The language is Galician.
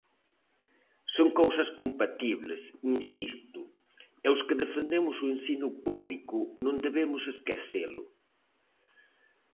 Son cousas compatibles, insisto, e os que defendemos o ensino público non debemos esquecelo.